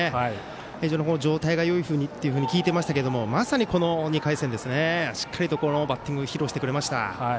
非常に状態がいいっていうふうに聞いていましたけどまさに、この２回戦しっかりとバッティングで披露してくれました。